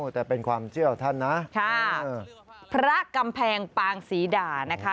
แต่เป็นความเจี้ยวท่านนะพระกำแพงปางสีดานะคะ